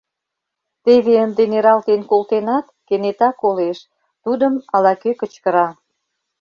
Теве ынде нералтен колтенат, кенета колеш: тудым ала-кӧ кычкыра.